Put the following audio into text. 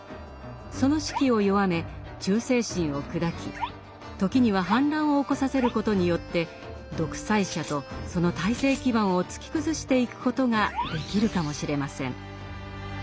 その士気を弱め忠誠心を砕き時には反乱を起こさせることによって独裁者とその体制基盤を突き崩していくことができるかもしれません。